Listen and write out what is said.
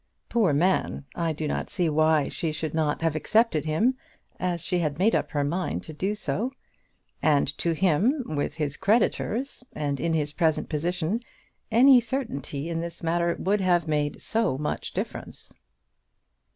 Poor man! I do not see why she should not have accepted him, as she had made up her mind to do so. And to him, with his creditors, and in his present position, any certainty in this matter would have made so much difference!